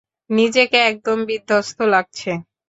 নিজেকে একদম বিদ্ধস্ত লাগছে!